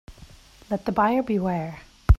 Let the buyer beware.